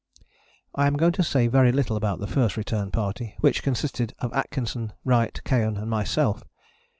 I am going to say very little about the First Return Party, which consisted of Atkinson, Wright, Keohane and myself.